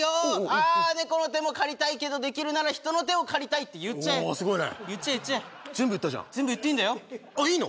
「ああ猫の手も借りたいけどできるなら人の手を借りたい」って言っちゃえ言っちゃえすごいね全部言ったじゃん全部言っていいんだよあっいいの？